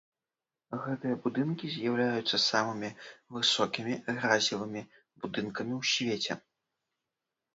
Гэтыя будынкі з'яўляюцца самымі высокімі гразевымі будынкамі ў свеце.